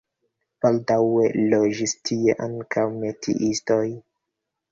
Baldaŭe loĝis tie ankaŭ metiistoj.